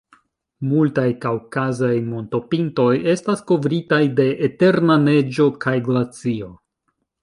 Multaj kaŭkazaj montopintoj estas kovritaj de eterna neĝo kaj glacio.